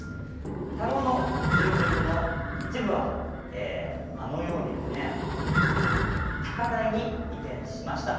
田老の住民の一部はあのように高台に移転しました。